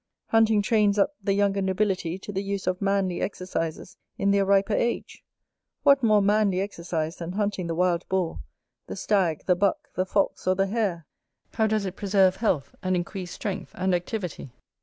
Hunting trains up the younger nobility to the use of manly exercises in their riper age. What more manly exercise than hunting the Wild Boar, the Stag, the Buck, the Fox, or the Hare? How doth it preserve health, and increase strength and activity!